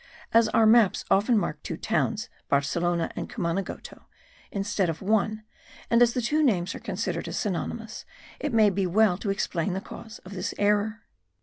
As our maps often mark two towns, Barcelona and Cumanagoto, instead of one, and as the two names are considered as synonymous, it may be well to explain the cause of this error.